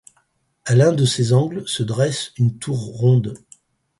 À l'un de ses angles se dresse une tour ronde.